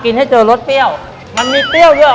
ให้เจอรสเปรี้ยวมันมีเปรี้ยวเยอะ